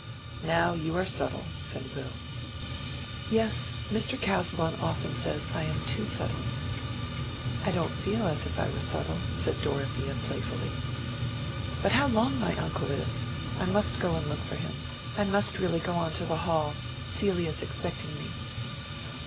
"Now you are subtle," said Will. "Yes; Mr. Casaubon often says I am too subtle. I don't feel as if I were subtle," said Dorothea, playfully. "But how long my uncle is! I must go and look for him. I must really go on to the Hall. Celia is expecting me."